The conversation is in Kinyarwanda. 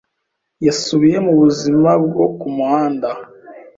yasubiye mubuzima bwo ku muhanda